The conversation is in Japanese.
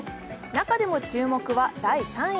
中でも注目は第３位。